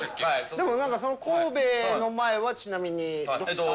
でもその神戸の前はちなみにどこですか？